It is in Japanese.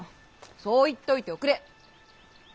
そう言っといておくれ。